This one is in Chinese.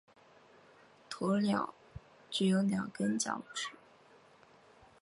鸵鸟只有两根脚趾。